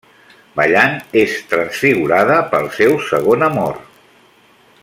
Ballant, és transfigurada pel seu segon amor.